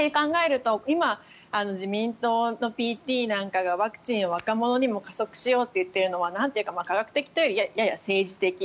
今、自民党のＰＴなんかがワクチン、若者にも加速しようと言っているのはなんというか科学的というより政治的。